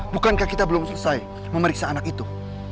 bukankah kita belum selesai memeriksa anak itu